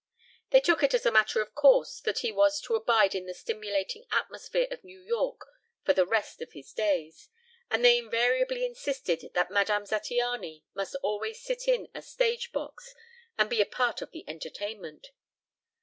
They took it as a matter of course that he was to abide in the stimulating atmosphere of New York for the rest of his days. And they invariably insisted that "Madame Zattiany" must always sit in a stage box and be a part of the entertainment.